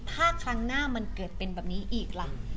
แล้วทางหน้ามันเกิดเป็นแบบนี้อีกละ